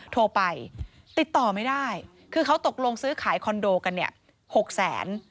โทรไปติดต่อไม่ได้คือเขาตกลงซื้อขายคอนโดกันเนี่ย๖แสน